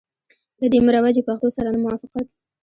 له دې مروجي پښتو سره نه موافقت.